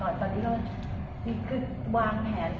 หรือเป็นอะไรที่คุณต้องการให้ดู